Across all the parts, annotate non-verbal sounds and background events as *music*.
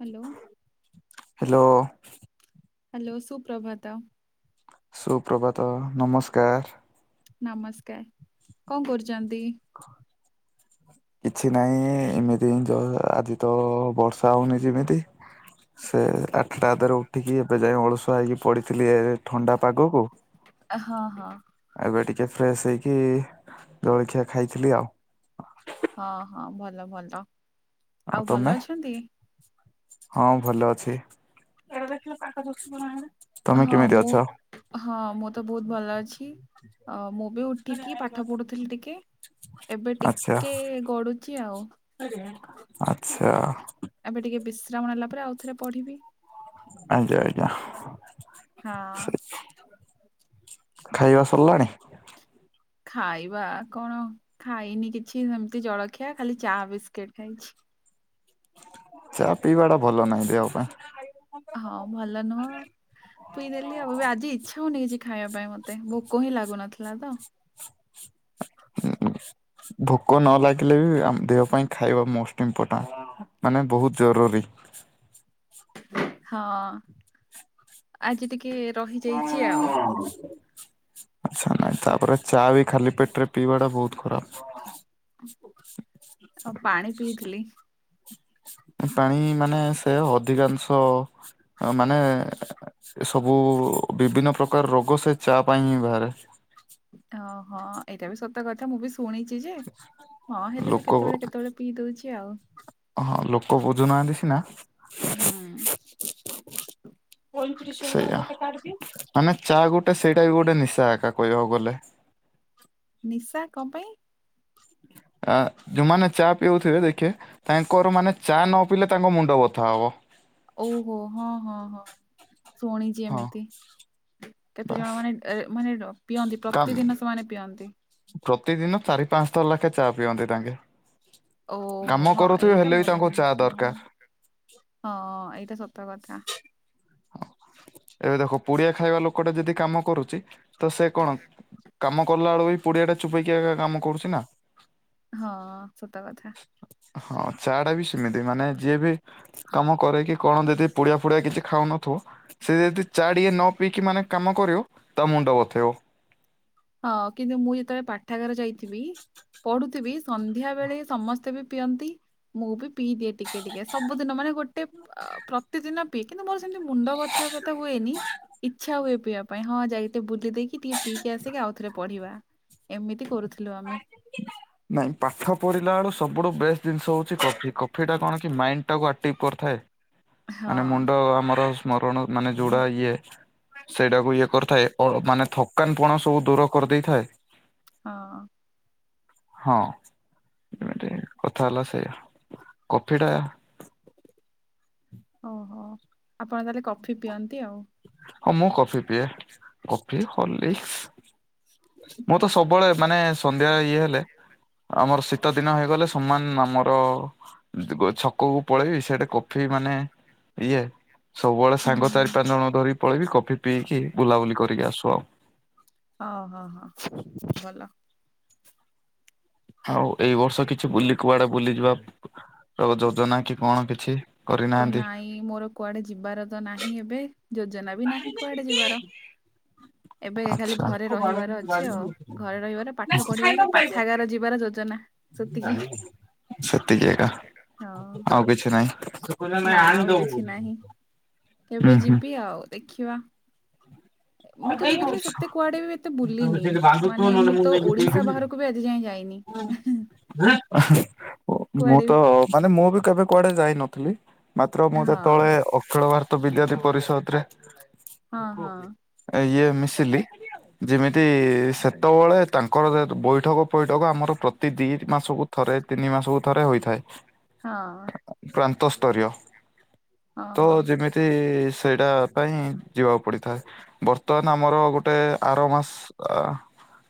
Hello. Hello. Hello ସୁ ପ୍ରଭାତ। ସୁପ୍ରଭାତ ନମସ୍କାର। ନମସ୍କାର କଣ କରୁଛନ୍ତି? କିଛି ନାଇ ଏମିତି ଏମିତି ଆଜି ତ ବର୍ଷା ହଉନି ସେମିତି ସେ ତା ପରେ ଉଠିକି ଏବେ ଯାଇ ଅଳସୁଆ ହେଇକି ପଡ଼ିଥିଲି ଏ ଥଣ୍ଡା ପାଗକୁ ହଁ ହଁ। ଏବେ ଟିକେ ଫ୍ରେଶ ହେଇକି ଜଳଖିଆ ଖାଇଥିଲି ଆଉ। ହଁ ହଁ ଭଲ ଭଲ ଆଉ ଭଲ ଅଛନ୍ତି? ହଁ ଭଲ ଅଛି। ତମେ ହଁ କେମିତି ମୁଁ ଅଛ? ହଁ ମୁଁ ତ ବହୁତ ଭଲ ଅଛି। ଅ ମୁଁ ବି ଉଠିକି ପାଠ ପଢୁଥିଲି ଟିକେ ଏବେ ଆଚ୍ଛା ଟିକେ ପଢୁଚି ଆଉ ଆଚ୍ଛା। ଏବେ ଟିକେ ବିଶ୍ରାମ ନେଲା ପରେ ଆଉ ଥରେ ପଢିବି। ଆଜ୍ଞା ଆଜ୍ଞା ସେ ହଁ। ଖାଇବା ସରିଲାଣି? ଖାଇବା କଣ ଖାଇନି କିଛି ସେମତି ଜଳଖିଆ ଖାଲି ଚା ବିସ୍କିଟି ଖାଇଚି। ଚା ପିଇବାଟା ଭଲ ନାହିଁ ଦେହ ପାଇଁ। ହଁ ଭଲ ନୁହଁ। ପିଇ ଦେଲି ଆଉ ବି ଆଜି ଇଚ୍ଛା ହଉନି କିଛି ଖାଇବା ପାଇଁ ମତେ ଭୋକ ହିଁ ଲାଗୁନଥିଲା ତ? ହୁଁ ଉଁ ଭୋକ ନ ଲାଗିଲେ ବି ଆମ ଦେହ ପାଇଁ ଖାଇବା ମୋଷ୍ଟ ଇମ୍ପୋର୍ଟାଣ୍ଟ। ମାନେ ବହୁତ ଜରୁରୀ। ହଁ ଆଜି ଟିକେ ରହିଯାଇଚି ଆଉ। ହଁ ଆଛା ନାଇଁ? ତାପରେ ଚା ବି ଖାଲି ପେଟରେ ପିଇବା ଟା ବହୁତ ଖରାପ। ଆଉ ପାଣି ପିଇଥିଲି। ପାଣି ମାନେ ସେ ଅଧିକାଂଶ ମାନେ। ଏ ସବୁ ବିଭିନ୍ନ ପ୍ରକାର ରୋଗ ସେ ଚା ପାଇଁ ହିଁ? ବାହାରେ। ହଁ ହଁ ଏଇଟା ବି ସତ କଥା ମୁଁ ବି ଶୁଣିଛି ଯେ ହଁ ହେଲେ ବି ଲୋକ କେତେବେଳେ କେତେବେଳେ? ପିଇ ଦଉଚି ଆଉ। ହଁ ଲୋକ ବୁଝୁନାହାନ୍ତି ସିନା? ହୁଁ। ସେୟା। ମାନେ ଚା ଗୋଟେ ସେଇଟା ବି ଗୋଟେ ନିଶା ଏକା କହିବାକୁ ଗଲେ। ନିଶା କଣ ପାଇଁ? ଆ ଯୋଉଁମାନେ ଚା ପିଉଥିବେ ଦେଖିବେ। ତାଙ୍କର ମାନେ ଚା ନ ପିଇଲେ ତାଙ୍କ ମୁଣ୍ଡ ବଥା ହବ। ଓହୋ ହଁ ହଁ ହଁ ଶୁଣିଚି ହଁ ଏମିତି। କେତେ ଜଣ ବାସ୍ ମାନେ ମାନେ ପିଅନ୍ତି କାମ ପ୍ରତିଦିନ ସେମାନେ ପିଅନ୍ତି। ପ୍ରତିଦିନ ଚାରି, ପାଞ୍ଚ ଥର ଲେଖେ ଚା ପିଅନ୍ତି ତାଙ୍କେ। କାମ ଓହୋ ହଁ କରୁଥିବେ ଏଇଟା ହେଲେ ବି ଭଲ ତାଙ୍କୁ ଚା ନୁହେଁ ଦରକାର। ହଁ ଏଇଟା ସତ କଥା। ଏବେ ଦେଖ ପୁଡ଼ିଆ ଖାଇବା ଲୋକଟା ଯଦି କାମ କରୁଚି ତ ସେ କଣ କାମ କଲା ବେଳୁ ବି। ପୁଡିଆ ଟା ଚିବାଏକି କାମ କରୁଚି ନା। ହଁ ସତ କଥା। ହଁ ଚା ଟା ବି ସେମିତି ମାନେ ଯିଏ ବି। କାମ କରେ କି କଣ ଯଦି ପୁଡିଆ ଫୁଡିଆ କିଛି ଖାଉନଥିବ ସେ ଯଦି ଚା ଟିକିଏ ନ ପିଇକି ମାନେ କାମ କରିବ ତା ମୁଣ୍ଡ ବଥେଇବ। ହଁ କିନ୍ତୁ ମୁଁ ଯେତେବେଳେ ପାଠାଗାର ଯାଇଥିବି ପଢୁଥିବି ସନ୍ଧ୍ୟା ବେଳେ ସମସ୍ତେ ବି ପିଅନ୍ତି ମୁଁ ବି ପିଇ ଦିଏ ଟିକେ। ଟିକେ ଟିକେ ସବୁଦିନ ମାନେ ଗୋଟେ ପ୍ରତିଦିନ ପିଏ କିନ୍ତୁ ମୋର ସେମିତି ମୁଣ୍ଡ ବଥା ଫଥା ହୁଏନି। ଇଛା ହୁଏ ପିଇବା ପାଇଁଁ ହଁ ଯାଇ ଟିକେ ବୁଲି ଦେଇକିି ଟିକେ ପିଇକି ଆ ଟିକେ ଆଉଥରେ ପଢିବା ଏମିତି କରୁଥିଲୁ ଆମେ। ନାଇଁ ପାଠ ପଢିଲା ବେଳୁ ସବୁଠୁ ବେଷ୍ଟ ଜିନିଷ ହଉଚି କଫି କଫି ଟା କଣ କି ମାଇଣ୍ଡ ଟାକୁ ଆକ୍ଟିଭି କରିଥାଏ ହଁ ମାନେ ମୁଣ୍ଡ ଆମର ସ୍ମରଣ ମାନେ ଯୋଉଟା ଇଏ ସେଇଟାକୁ ଇଏ କରିଥାଏ ମାନେ ଥକାନ ପଣ ସବୁ ଦୂର କରିଦେଇଥାଏ। ହଁ। ହଁ ଯେମିତି କଥା ହେଲା ସେଇଆ କଫି ଟା ଓହୋ ଆପଣ ତାହେଲେ କଫି ପିଅନ୍ତି ଆଉ। ହଁ ମୁଁ କଫି ପିଏ। କଫି, ହ୍ରଲିସକ୍ସ ମୁଁ ତ ସବୁବେଳେ ମାନେ ସନ୍ଧ୍ୟା ଇଏ ହେଲେ ଆମର ଶୀତ ଦିନ ହେଇଗଲେ ସମାନ ଆମର ଛକକୁ ପଳେଇବି ସେଠ କଫି ମାନେ ପିଏ। ସବୁବେଳେ ସାଙ୍ଗ ହୁଁ ଚାରି ପାଞ୍ଚ ଜଣ ଧରିକ ପଳେଇବି କଫି ପିଇକି ବୁଲାବୁଲି କରିକି ଆସୁ ଆଉ। ହଁ ହଁ ହଁ ଭଲ। ଆଉ ଏଇ ବର୍ଷ କିଛି ବୁଲି କୁଆଡେ ବୁଲିଯିବା ଯୋଜନା କି କଣ କିଛି। କରିନାହାନ୍ତି? ନାଇଁ ମୋର କୁଆଡେ ଯିବାର ତ ନାହିଁ ଏବେ। ଯୋଜନା ବି ନାହିଁ କୁଆଡେ ଯିବାର। ଏବେ ଖାଲି ଆଚ୍ଛା। ଘରେ ରହିବାର ଅଛି ଆଉ। ଘରେ ରହିବାର ପାଠ ପଢିବାର ପାଠାଗାର ଯିବାର ଯୋଜନା। ସେତିକି ନାହିଁ ସେତିକି ଏଇନା ହଁ ଆଉ କିଛି ନାହିଁ। କହିଲା ନାଇ ନା ଆଣି ଆଉ ଦିଅ ହଓ। କିଛି ନାହିଁ। କେବେ ଯିବି ଆଉ ଦେଖିବା। *unintelligible* ମୁଁ ତ ମୁଁ ବି ସେତେ କୁଆଡେ ବି ଏତେ ବୁଲିନି। ମାନେ ମୁଁ ତ ଓଡିଶା ବାହାରକୁ ବି ଆଜି ଯାଏଁ ଯାଇନି ମୁଁ କୁଆଡେ ବି ତ ମାନେ ମୁଁ ବି କେବେ କୁଆଡେ ଯାଇନଥିଲି। ମାତ୍ର ମୁଁ ଯେତେବେଳେ ହଁ ଅଖିଳ ଭାର ତ ବିଦ୍ୟାର୍ଥୀ ପରିଷଦରେ ହଁ ହଁ। ଇଏ ମିଶିଲି। ଯେମିତି ସେତେବେଳେ ତାଙ୍କର ବୈଠକ ପୈଠକ ଆମର ପ୍ରତି ଦି ମାସକୁ ଥରେ ତିନି ମାସକୁ ଥରେ ହୋଇଥାଏ। ହଁ। ପ୍ରାନ୍ତ ସ୍ତରୀୟ ହଁ ତ ହଁ ଯେମିତି ସେ ସେଇଟା ପାଇଁ ଯିବାକୁ ପଡିଥାଏ। ବର୍ତ୍ତମାନ ଆମର ଗୋଟେ ଗୋଟେ ଆର ମାସ ଅ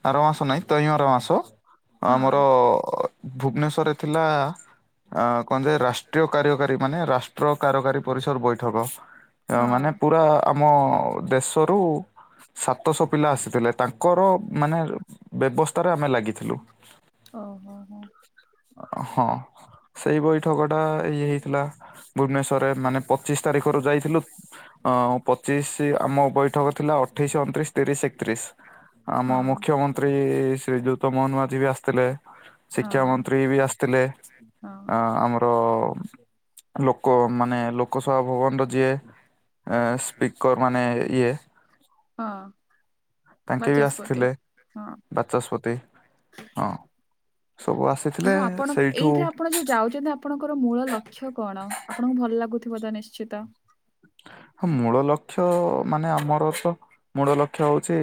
ଆର ମାସ ନାଇଁ। ତଇଁ ଆର ମାସ ଆମର ହଁ ଭୁବନେଶ୍ୱରରେ ଥିଲା ଅ କଣ ଯେ ରାଷ୍ଟ୍ରୀୟ କାରଯ୍ୟକାରୀ ମାନେ ରାଷ୍ଟ୍ର କାରକାରୀ ପରିଷଦ ବୈଠକ। ମାନେ ହଁ ପୁରା ଆମ ଦେଶରୁ ସାତଶହ ପିଲା ଆସିଥିଲେ ତାଙ୍କର ମାନେ ବ୍ୟବସ୍ଥାରେ ଆମେ ଲାଗିଥିଲୁ। ଓହୋ ହୋ। ହଁ। ସେଇ ବୈଠକ ଟା ଇଏ ହେଇଥିଲା ଭୁବେନେଶ୍ୱର ମାନେ ପଚିଶ ତାରିଖରୁ ଯାଇଥିଲୁ। ହଁ ପଚିଶି ଆମ ବୈଠକ ଥିଲା ଅଠେଇଶ, ଅଣତିରିଶ, ତିରିଶ, ଏକତିରିଶ। ଆମ ହଁ ମୁଖ୍ୟମନ୍ତ୍ରୀ ଶ୍ରୀଯୁକ୍ତ ମୋହନ ମାଝ ବି ଆସ ଆସିଥିଲେ ଶିକ୍ଷା ହଁ ମନ୍ତ୍ରୀ ବି ଆସିଥିଲେ ହଁ ଆ ଆମର ଲୋକ ମାନେ ଲୋକସଭା ଭବନର ଯିଏ ସ୍ପିକର୍ ମାନେ ଇଏ ହଁ। ତାଙ୍କେ ବି ବାଚସ୍ପତି ଆସିଥିଲେ ହଁ। ବାଚସ୍ପତି ହଁ। ସବୁ ଆସିଥିଲେ ହଁ ଆପଣ ସେଇଠୁ ଏଇଠରେ ଆପଣ ଯୋଉ ଯାଉଛନ୍ତି ଆପଣଙ୍କର ମୂଳ ଲକ୍ଷ୍ୟ କଣ? ଆପଣଙ୍କୁ ଭଲ ଲାଗୁଥିବ ତ ନିଶ୍ଚିତ। ହଁ ମୂଳ ଲକ୍ଷ୍ୟ ମାନେ ଆମର ତ ମୂଳ ଲକ୍ଷ୍ୟ ହଉଛି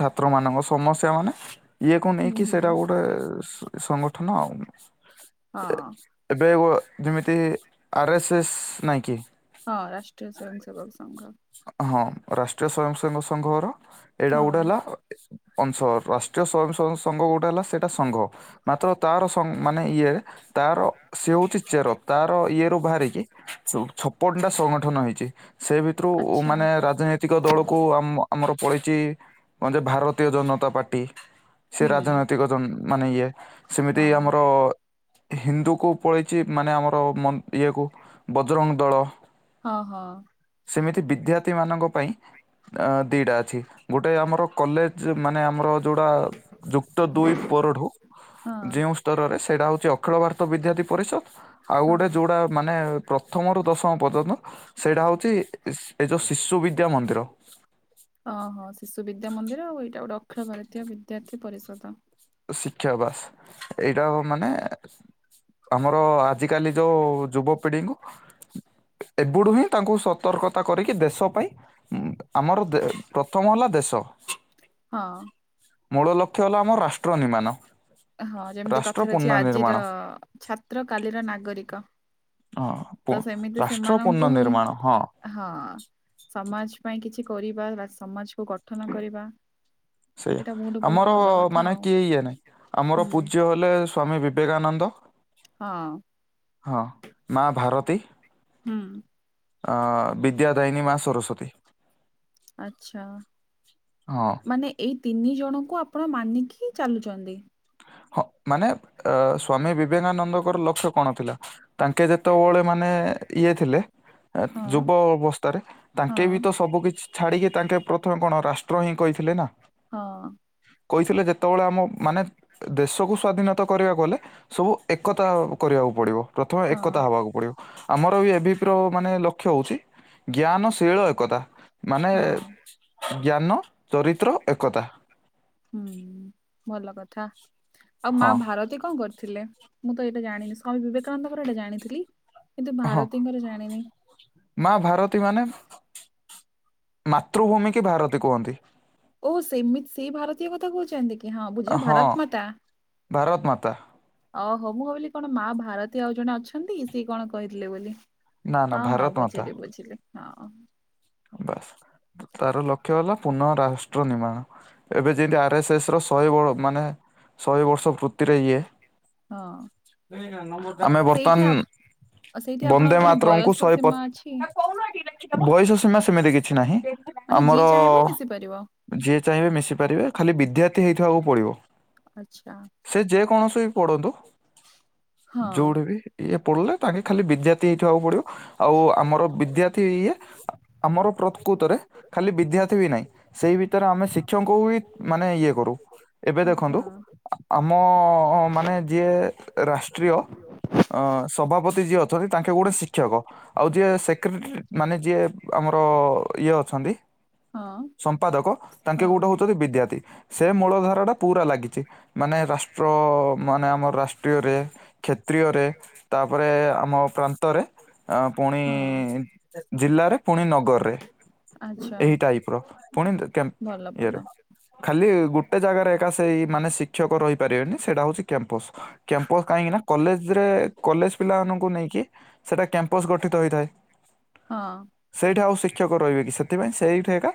ଛାତ୍ରମାନଙ୍କ ସମସ୍ୟା ମାନେ ଇଏକୁ ହୁଁ ନେଇକି ହୁଁ। ସେଇଟା ଗୋଟେ ସଂଗଠନ ଆଉ। ହଁ। ଏବେ ଯେମିତି ଆର୍ ଏସ୍ ଏସ୍ ନାହିଁ କି। ହଁ, ରାଷ୍ଟ୍ରୀୟ ସ୍ଵୟଂ ସେବକ ସଂଘ। ହଁ ରାଷ୍ଟ୍ରୀୟ ସ୍ଵୟଂସେବକ ସଂଘର ଏଇଟା ଗୋଟେ ହଁ ହେଲା ଅଂଶ। ରାଷ୍ଟ୍ରୀୟ ସ୍ଵୟଂସ ସଂଘ ଗୋଟେ ହେଲା ସେଇଟା ସଂଘ। ମାତ୍ର ତାର ମାନେ ଇଏରେ ତାର ସେ ହଉଛି ଚେର ତାର ଇଏରୁୁ ବାହାରିକି ଛପନ ଟା ସଂଗଠନ ହେଇଛି ସେ ଭିତରୁ ଆଚ୍ଛା ମାନେ ରାଜନୈତିକ ଦଳକୁ ଆମ ଆମର ପଳେଇଛି କଣ ଯେ ଭାରତୀୟ ଜନତା ପାର୍ଟି ସେ ହୁଁ। ରାଜନୈତିକ ମାନେ ଇଏ ସେମିତି ହଁ ଆମର ହିନ୍ଦୁକୁ ପଳେଇଛି ମାନେ ଆମର ଇଏକୁ ବଜରଙ୍ଗ ଦଳ। ହଁ ହଁ। ସେମିତି ବିଦ୍ୟାର୍ଥୀମାନଙ୍କ ପାଇଁ ଦିଟା ଅଛି ଗୋଟେ ଆମର କଲେଜ। ଯେ ମାନେ ଆମର ଯୋଉଟା ଯୁକ୍ତ ଦୁଇ ପରଠୁ ହଁ ଯେଉଁ ଉତ୍ତରରେ ସେଇଟା ହେଉଛି ଅଖିଳ ଭାରତ ବିଦ୍ୟାର୍ଥୀ ପରିଷଦ। ଆଉ ଗୋଟେ ହଁ। ଯେଉଁଟା ମାନେ ପ୍ରଥମରୁ ଦଶମ ପର୍ଯ୍ୟନ୍ତ ସେଇଟା ହେଉଛି ଏ ଯେଉଁ ଶିଶୁ ବିଦ୍ୟା ମନ୍ଦିର। ଓହୋ ଶିଶୁ ବିଦ୍ୟା ମନ୍ଦିର ଆଉ ଏଇଟା ଗୋଟେ ଅଖିଳ ଭାରତୀୟ ବିଦ୍ୟାର୍ଥୀ ପରିଷଦ। ଶିକ୍ଷା ବାସ୍। ଏଇଟା ମାନେ ଆମର ଆଜି କାଲି ଯୋଉ ଯୁବପିଢିଙ୍କୁ ଏବୁଡୁ ହିଁ ତାଙ୍କୁ ସତର୍କତା କରିକି ଦେଶ ପାଇଁ ଆମର ଦେ ପ୍ରଥମ ହେଲା ଦେଶ। ହଁ। ମୂଳ ଲକ୍ଷ୍ୟ ହେଲା ଆମ ରାଷ୍ଟ୍ର ନିମାନ। ହଁ ଯେମିତି କଥାରେ ଅଛି ଆଜିର ଛାତ୍ର କାଲିର ନାଗରିକ। ହଁ ପ ତ ସେମିତି ରାଷ୍ଟ୍ର ସେମାନଙ୍କୁ ପୁର୍ଣ ହିଁ ନିର୍ମାଣ ହଁ। ହଁ ସମାଜ ପାଇଁ କିଛି କରିବା ବା ସମାଜକୁ ଗଠନ କରିବା। ସେଇଆ ଏଇଟା ବହୁତ ବହୁତ ଆମର ଭଲ କଥା ମାନେ ଆଉ। କିଏ ଇଏ ନାଇଁ। ଆମର ହୁଁ ପୂଜ୍ୟ ହେଲେ ସ୍ଵାମୀ ବିବେକାନନ୍ଦ। ହଁ ହଁ ମା ଭାରତୀ ହୁଁ। ଅ ବିଦ୍ୟା ଦାୟିନୀ ମା ସରସ୍ଵତୀ। ଆଚ୍ଛା। ହଁ। ମାନେ ଏଇ ତିନି ଜଣଙ୍କୁ ଆପଣ ମାନିକି ଚାଲୁଛନ୍ତି। ହଁ ମାନେ ଅ ସ୍ଵାମୀ ବିବେକାନନ୍ଦଙ୍କର ଲକ୍ଷ୍ୟ କଣ ଥିଲା। ତାଙ୍କେ ଯେତେବେଳେ ମାନେ ଇଏ ଥିଲେ। ହଁ ଯୁବ ଅବସ୍ଥାରେ ହଁ ତାଙ୍କେ ବି ତ ସବୁ କିଛି ଛାଡ଼ିକି ତାଙ୍କେ ପ୍ରଥମେ କଣ ରାଷ୍ଟ୍ର ହିଁ କହିଥିଲେ ନା। ହଁ। କହିଥିଲେ ଯେତେବେଳେ ଆମ ମାନେ। ଦେଶକୁ ସ୍ଵାଧୀନତା କରିବାକୁ ଗଲେ ସବୁ ଏକତା କରିବାକୁ ପଡିବ। ପ୍ରଥମେ ହଁ ଏକତା ହବାକୁ ପଡିବ ଆମର ଏବିବି ର ମାନେ ଲକ୍ଷ୍ୟ ହଉଛି। ଜ୍ଞାନଶୀଳ ଏକତା ମାନେ ହଁ ଜ୍ଞାନ ଚରିତ୍ର ଏକତା। ହୁଁ ଭଲ କଥା ଆଉ ମା ହଁ ଭାରତୀ କଣ କର ଥିଲେ ମୁଁ ତ ଏଇଟା ଜାଣିନି ସ୍ଵାମୀ ବିବେକାନନ୍ଦଙ୍କର ଏଇଟା ଜାଣିଥିଲି କିନ୍ତୁ ହଁ ଭାରତୀଙ୍କର ଜାଣିନି। ମା ଭାରତୀ ମାନେ ମାତୃଭୂମି କି ଭାରତୀ କୁହନ୍ତି। ଓ ସେମିତି ସେଇ ଭାରତୀୟ କଥା କହୁଛନ୍ତି କି ହଁ ବୁଝ ହଁ ଭାରତ ମାତା। ଭାରତ ମାତା ଓହୋ ମୁଁ ଭାବିଲି କଣ ମା ଭାରତୀ ଆଉ ଜଣେ ଅଛନ୍ତି ସିଏ କଣ କହିଥିଲେ ବୋଲି। ନା ନା ହଁ ହଁ ଭାରତ ମାତା ବୁଝିଲି ବୁଝିଲି ହଁ। ବାସ୍ ତାର ଲକ୍ଷ୍ୟ ହେଲା ପୁନଃ ରାଷ୍ଟ୍ର ନିର୍ମାଣ। ଏବେ ଯେମତି ଆରଏସ୍ ଏସ ର ଶହେ ବ ମାନେ ଶହେ ବର୍ଷ ଇଏ ହଁ ଆମେ ସେଇଠି ଆପଣ ବର୍ତ୍ତମାନ। ଆଉ ସେଇଠି ବନ୍ଦେ ଆପଣଙ୍କର କଣ ମାତରମକୁ ବୟସ ଶହେ ପ ସୀମା ଅଛି। ବୟସ ସୀମା ସେମିତି କିଛି ନାହିଁ ମାନେ ଆମର। ଯିଏ ଚାହିଁବ ମିଶି ପାରିବ। ଯିଏ ଚାହିଁବେ ମିଶି ପାରିବେ ଖାଲି ବିଦ୍ୟାର୍ଥୀ ହେଇଥିବାକୁ ପଡିବ। ଆଚ୍ଛା ସେ ଯେ କୌଣସି ବି ପଢନ୍ତୁ ହଁ ଯୋଉଠି ବି। ଇଏ ପଢିଲେ ତାଙ୍କେ ଖାଲି ବିଦ୍ୟାର୍ଥୀ ହେଇଥିବାକୁ ପଡ଼ିବ ଆଉ ଆମର ବିଦ୍ୟାର୍ଥୀ ଇଏ। ଆମର ପ୍ରକୃତରେ ଖାଲି ବିଦ୍ୟାର୍ଥୀ ବି ନାହିଁ। ସେଇ ଭିତରେ ଆମେ ଶିକ୍ଷକଙ୍କୁ ବି ମାନେ ଇଏ କରୁ ଏବେ ଆଚ୍ଛା ଦେଖନ୍ତୁ। ଆମ ମାନେ ଯିଏ ରାଷ୍ଟ୍ରୀୟ। ଅ ସଭାପତି ଯିଏ ଅଛନ୍ତି ତାଙ୍କେ ଗୋଟେ ଶିକ୍ଷକ ଆଉ ଯିଏ ସେକ୍ରେଟାରୀ ମାନେ ଯିଏ। ଆମର ଇଏ ଅଛନ୍ତି ହଁ ସମ୍ପାଦକ ତାଙ୍କେ ହଁ ଗୋଟେ ହଉଛନ୍ତି ବିଦ୍ୟାର୍ଥୀ। ସେ ମୂଳ ଧାରା ଟା ପୁରା ଲାଗିଛି। ମାନେ ରାଷ୍ଟ୍ର ମାନେ ଆମର ରାଷ୍ଟ୍ରୀୟରେ କ୍ଷେତ୍ରୀୟରେ। ତାପରେ ଆମ ପ୍ରାନ୍ତରେ ପୁଣି ହଁ ଜିଲ୍ଲାରେ। ପୁଣି ନଗରରେ ଆଚ୍ଛା ଏହି ଟାଇପ୍ ର ପୁଣି ଭଲ ଭଲ ଇଏରେ। ଖାଲି ଗୋଟେ ଜାଗାରେ ଏକା ସେଇ ମାନେ ଶିକ୍ଷକ ରହିପାରିବେନି ସେଇଟା ହଉଛି। କ୍ୟାମ୍ପସ୍ କ୍ୟାମ୍ପସ୍ କାହିଁକି ନା। କଲେଜରେ କଲେଜ ପିଲାମାନଙ୍କୁ ନେଇକି ସେଇଟା କ୍ୟାମ୍ପସ୍ ଗଠିତ ହେଇଥାଏ। ହଁ। ସେଇଠା ଆଉ ଶିକ୍ଷକ ରହିବେ କି ସେଥିପାଇଁ ସେଇଠା ଏକା।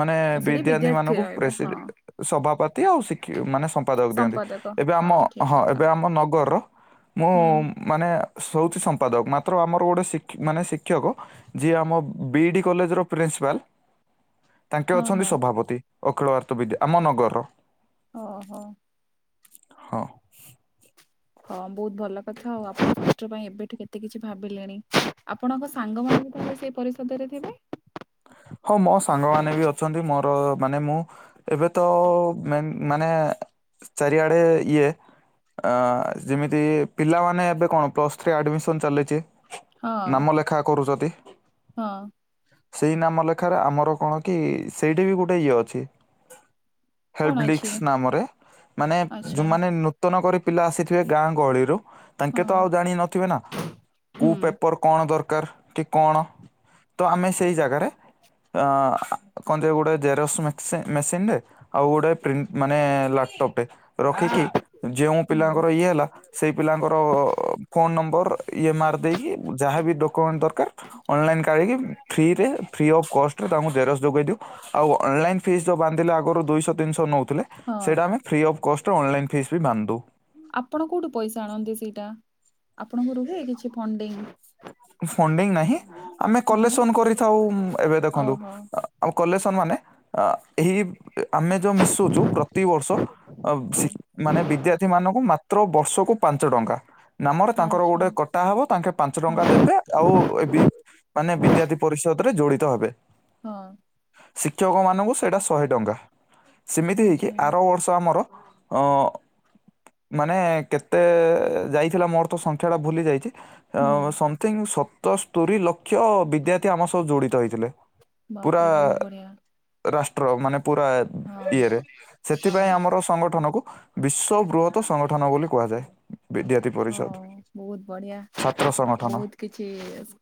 ମାନେ ସେଠି ବିଦ୍ୟାର୍ଥୀ ମାନଙ୍କୁ ରହିବେ ପ୍ରେସି ହଁ। ସଭାପାତି ଆଉ ଶିକ୍ ମାନେ ସମ୍ପାଦକ ଦିଅନ୍ତି। ଏବେ ଆମ ହଁ ଏବେ ଆମ ନଗରର। ମୁଁ ହୁଁ ମାନେ ସଉଥି ସମ୍ପାଦକ ମାତ୍ର ଆମର ଗୋଟେ ମାନେ ଶିକ୍ଷକ। ଯିଏ ଆମ ବିଇ ଡି କଲେଜର ପ୍ରିନ୍ସିପାଲ ତାଙ୍କେ ହଁ ଅଛନ୍ତି ହଁ। ସଭାପତି। ଅଖିଳ ଭାରତ ବିଦ୍ୟା ଆମ ନଗରର। ଓହ। ହଁ। ହଁ ବହୁତ ଭଲ କଥା ଆଉ ଆପଣଙ୍କ କଷ୍ଟ ପାଇଁ ଏବେଠୁ ଏତେ କିଛି ଭାବିଲେଣି। ଆପଣଙ୍କ ସାଙ୍ଗମାନେ ବି ତ ସେହି ପରିଷଦରେ ଥିବେ। ହଁ ମୋ ସାଙ୍ଗମାନେ ବି ଅଛନ୍ତି ମୋର ମାନେ ମୁଁ। ଏବେ ତ ମାନେ ଚାରିଆଡେ ଇଏ। ଅ ଯେମିତି ପିଲାମାନେ ଏବେ କଣ ପ୍ଲସ୍ ଥ୍ରୀ ଆଡମିସନ ଚାଲିଛି। ହଁ ନାମ ଲେଖା କରୁଛ ହଁ ସେହି ନାମ ଲେଖାରେ ଆମର କଣକି ସେଇଠି ବି ଗୋଟେ ଇଏ ଅଛି। କଣ ହେଲ୍ପ ଡିସ୍ ଅଛି ନାମରେ ମାନେ ଆଚ୍ଛା ଯୋଉମାନେ କର୍ତ୍ତନ କରି ପିଲା ଆସିଥିବେ ଗାଁ ଗହଳିରୁ ହଁ ତାଙ୍କେ ତ ଆଉ ଜାଣ ନଥିବେ ନା, ହୁଁ। କୋଉ ପେପର କଣ ଦରକାର କଣ ତ ଆମେ ସେଇ ଜାଗାରେ କତ ଗୋଟେ ଜେରକ୍ସ ମେକସିନ୍ ମେସିନ ରେ। ଆଉ ଗୋଟେ ପ୍ରିଣ୍ଟ ମାନେ ଲାପଟପରେ ରଖିକି, ଯେଉ ହୁଁ ପିଲାଙ୍କର ଇଏ ହେଲା ସେଇ ପିଲାଙ୍କର ଫୋନ ନମ୍ବର ଇଏମ୍ ଆର୍ ଦେଇକି ଯାହାବି ଦକୋମେଣ୍ଟ ଦ କର ଅନଲାଇନ କାଢିକି ଫ୍ରୀରେ ଫି ଅଫ କଷ୍ଟରେ ତାଙ୍କୁ ଜେରସ ଯୋଗେଇ ଦଉ ଆଉ ଅନଲାଇନ ଫିସ୍ ଯୋଉ ବାନ୍ଧିଲେ ଆଗରୁ ଦୁଇଶହ ତିନିଶହ ନଉ ହଁ ସେଇଟା ଆମେ ଫ୍ରି ଅଫ୍ କଷ୍ଟରେ ଅନଲାଇନ୍ ଫିସ୍ ବି ବାନ୍ଧୁ। ଆପଣ କୋଉଠୁ ପଇସା ଆଣନ୍ତି ସେଇଟା, ଆପଣଙ୍କୁ ରୁହେ କିଛି ଫଣ୍ଡିଙ୍ଗ। ଫଣ୍ଡିଙ୍ଗ ନାହିଁ, ଆମେ ହଁ। କଲେକ୍ସନ କରିଥାଉ ଏବେ ଦେଖନ୍ତୁ ଓହୋ ଆଉ କଲେସନ ମାନେ ଏହି ଆମେ ଯୋଉ ମିଶୁଛୁ ପ୍ରତିିବର୍ଷ ଅ ହଁ ଶି ମାନେ ବିଦ୍ୟାର୍ଥୀ ମାନଙ୍କୁ ମାତ୍ର ବର୍ଷକୁ ପାଞ୍ଚ ଟଙ୍କା ନାମ ଆଚ୍ଛା ଗୋଟେ କଟା ହବ ତାଙ୍କେ ପାଞ୍ଚ ଟଙ୍କା ହଁ ଦେବେ ଆଉ ବି ମାନେ ବିଦ୍ୟାର୍ଥୀ ପରିଷଦ ରେ ଜୋଡିତ ହେବେ। ହଁ ଶିକ୍ଷକ ମାନଙ୍କୁ ସେଇଟା ଶହେ ଟଙ୍କା, ସେମିତି ହେଇକି ଆଚ୍ଛା ଆର ବର୍ଷ ଆମର ଅ ମାନେ କେତେ ଯାଇଥିଲା ମୋର ତ ସଂଖ୍ୟା ଟା ଭୁଲି ଯାଇଛି। ହୁଁ। ସମଥିଙ୍ଗ ସତସ୍ତୋରି ଲକ୍ଷ ବିଦ୍ୟାର୍ଥୀ ଆମ ସହ ଜଡିତ ହେଇଥିଲେ। ପୁରା ବାପରେ ବହୁତ ବଢିଆ ରାଷ୍ଟ୍ର ମାନେ ପୁରା ହଁ ଇଏରେ ସେଥିପାଇଁ ହଁ ଆମର ସଂଗଠନକୁ ବିଶ୍ଵ ବୃହତ ସଂଗଠନ ବୋଲି କୁହାଯାଏ। ବିଦ୍ୟାର୍ଥୀ ପରିଷଦ। ହଁ ବହୁତ ବଢ଼ିଆ। ଛାତ୍ର ସଂଗଠନ। କିଛି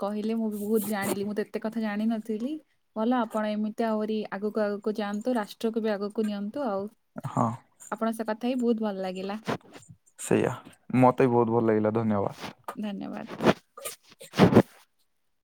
କହିଲେ! ମୁଁ ବି ବହୁତ ଜାଣିଲି ମୁଁ ତ ଏତେ କଥା ଜାଣିନଥିଲି। ଭଲ ଆପଣ ଏମିତି ଆହୁରି ଆଗକୁ ଆଗକୁ ଯାଆନ୍ତୁ, ରାଷ୍ଟ୍ରକୁ ବି ଆଗକୁ ନିଅନ୍ତୁ ଆଉ! ହଁ ଆପଣଙ୍କ ସହ କଥା ହେଇକି ବହୁତ ଭଲ ଲାଗିଲା। ସେଇଆ! ମତେ ବି ବହୁତ୍ ଭଲ ଲାଗିଲା ଧନ୍ୟବାଦ! ଧନ୍ୟବାଦ!